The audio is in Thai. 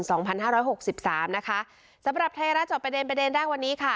ที่๑๔กันยายน๒๕๖๓นะคะสำหรับไทยราชอบประเด็นประเด็นแรกวันนี้ค่ะ